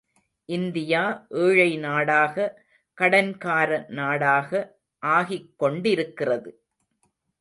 India ஏழை நாடாக, கடன்கார நாடாக ஆகிக்கொண்டிருக்கிறது!